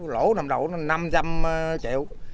lỗ nằm đầu nó năm trăm linh triệu